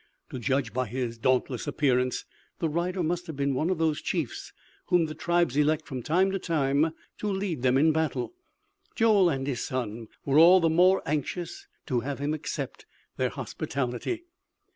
To judge by his dauntless appearance, the rider must have been one of those chiefs whom the tribes elect from time to time to lead them in battle. Joel and his son were all the more anxious to have him accept their hospitality.